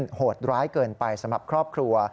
เกิดขึ้นโหดร้ายเกินไปสำหรับครอบครัว